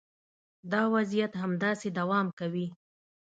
دا وضعیت همداسې دوام کوي.